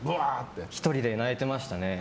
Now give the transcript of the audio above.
１人で泣いてましたね。